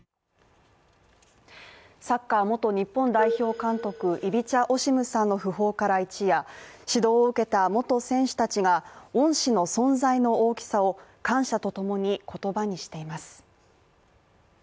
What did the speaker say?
サッカー元日本代表監督、イビチャ・オシムさんの訃報から一夜、指導を受けた元選手たちが恩師の存在の大きさを感謝とともに、言葉にしています。